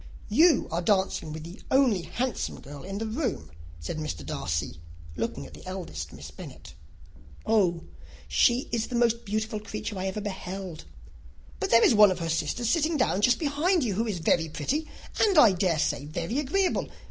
"You are dancing with the only handsome girl in the room," said Mr. Darcy, looking at the eldest Miss Bennet. "Oh, she is the most beautiful creature I ever beheld! But there is one of her sisters sitting down just behind you, who is very pretty, and I dare say very agreeable.